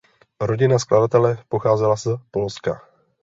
Rodina skladatele pocházela z Polska.